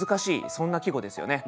そんな季語ですよね。